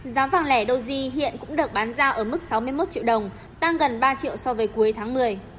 giá vàng lẻ doji hiện cũng được bán giao ở mức sáu mươi một triệu đồng tăng gần ba triệu so với cuối tháng một mươi